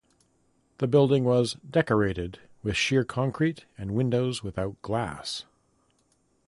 The building was 'decorated' with sheer concrete and windows without glass.